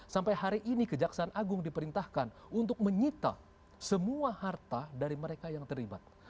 sampai hari ini kejaksaan agung diperintahkan untuk menyita semua harta dari mereka yang terlibat